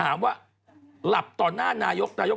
จากธนาคารกรุงเทพฯ